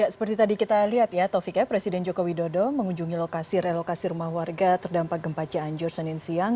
seperti tadi kita lihat ya taufik ya presiden joko widodo mengunjungi lokasi relokasi rumah warga terdampak gempa cianjur senin siang